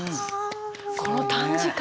この短時間で。